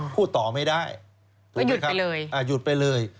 อ๋อพูดต่อไม่ได้ไม่ยุทธ์ไปเลยอ่ะยุทธ์ไปเลย